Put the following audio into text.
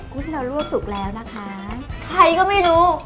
ที่เราลวกสุกแล้วนะคะใครก็ไม่รู้